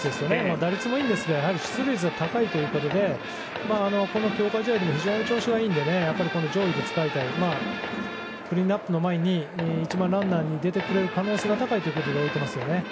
打率もいいですが出塁率が高いということで強化試合でも非常に調子がいいので上位で使うというのはクリーンアップの前に一番ランナーに出てくれる可能性が高いということで入れてますね。